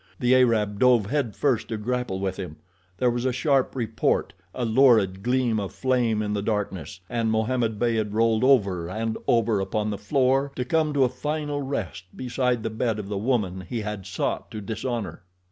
The Arab dove headfirst to grapple with him, there was a sharp report, a lurid gleam of flame in the darkness, and Mohammed Beyd rolled over and over upon the floor to come to a final rest beside the bed of the woman he had sought to dishonor.